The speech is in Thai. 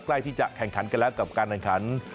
ใกล้ที่จะแข่งขันกันแล้วกับการแข่งขัน